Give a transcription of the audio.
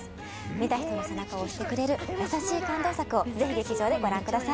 見た人の背中を押してくれる優しい感動作をぜひ劇場でご覧ください。